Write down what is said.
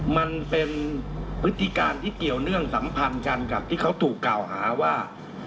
มันเป็นพฤติการที่เกี่ยวเนื่องสัมพันธ์กันกับที่เขาถูกกล่าวหาว่า